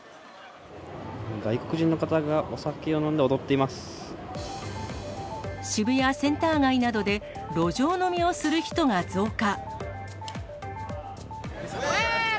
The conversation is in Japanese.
外国人の方が、渋谷センター街などで、路上飲みをする人が増加。